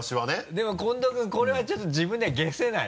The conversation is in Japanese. でも近藤君これはちょっと自分では解せない？